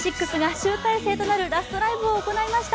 集大成となるラストライブを行いました。